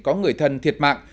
có người thân thiệt mạng